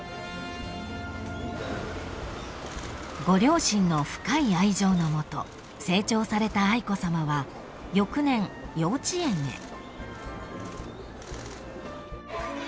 ［ご両親の深い愛情のもと成長された愛子さまは翌年幼稚園へ］